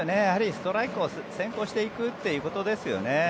ストライクを先行していくということですよね。